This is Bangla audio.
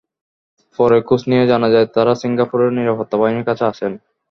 পরে খোঁজ নিয়ে জানা যায়, তাঁরা সিঙ্গাপুরের নিরাপত্তা বাহিনীর কাছে আছেন।